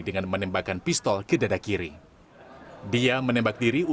kenapa sampai pestol lalos di dalam satu rame